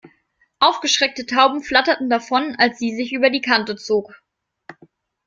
Aufgeschreckte Tauben flatterten davon, als sie sich über die Kante zog.